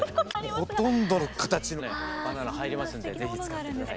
ほとんどの形のバナナ入りますんで是非使って下さい。